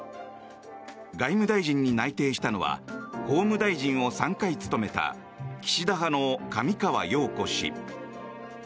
外務大臣に内定したのは法務大臣を３回務めた岸田派の上川陽子氏。